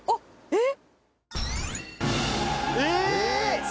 えっ？